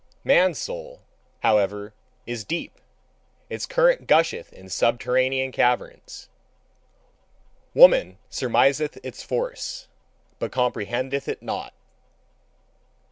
Man's soul, however, is deep, its current gusheth in subterranean caverns: woman surmiseth its force, but comprehendeth it not.